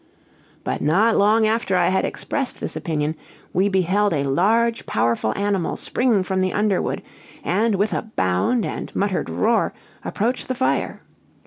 But not long after I had expressed this opinion, we beheld a large, powerful animal spring from the underwood, and, with a bound, and muttered roar, approach the fire.